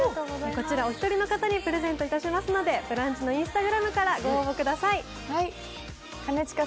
お一人の方にプレゼントいたしますので、「ブランチ」のＩｎｓｔａｇｒａｍからご応募ください。